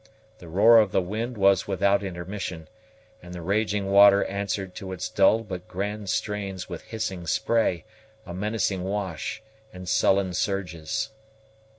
The roar of the wind was without intermission, and the raging water answered to its dull but grand strains with hissing spray, a menacing wash, and sullen surges.